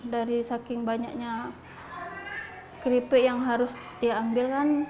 dari saking banyaknya keripik yang harus diambil kan